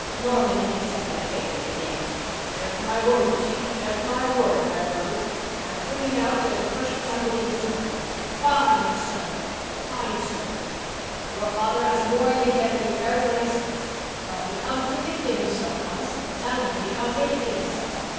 Norman intercepted Faith at the gate. "Kept my word, you see—kept my word, Red Rose. I'm free now till the first Sunday in December. Fine sermon, girl—fine sermon. Your father has more in his head than he carries on his face. But he contradicted himself once—tell him he contradicted himself.